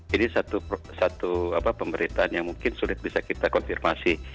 ini satu pemberitaan yang mungkin sulit bisa kita konfirmasi